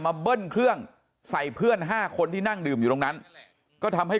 เบิ้ลเครื่องใส่เพื่อน๕คนที่นั่งดื่มอยู่ตรงนั้นก็ทำให้